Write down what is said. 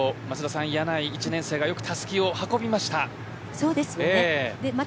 柳井、１年生がよく、たすきを運びました。